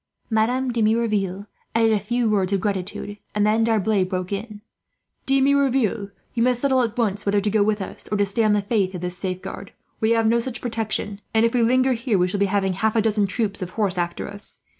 Madame de Merouville added a few words of gratitude, and then D'Arblay broke in with: "De Merouville, you must settle at once whether to go with us, or stay on the faith of this safeguard. We have no such protection and, if we linger here, we shall be having half a dozen troops of horse after us.